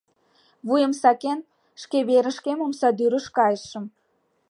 Вуйым сакен, шке верышкем, омсадӱрыш, кайышым.